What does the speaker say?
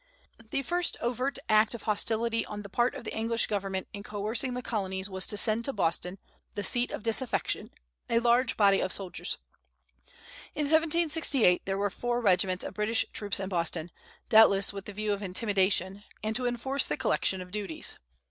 The first overt act of hostility on the part of the English government in coercing the Colonies was to send to Boston, the seat of disaffection, a large body of soldiers. In 1768 there were four regiments of British troops in Boston, doubtless with the view of intimidation, and to enforce the collection of duties.